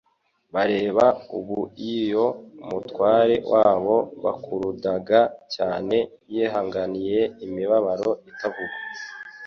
bareba ubuiyo umutware wabo bakurudaga cyane yihanganiye imibabaro itavugwa